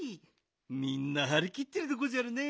みんなはりきってるでごじゃるね。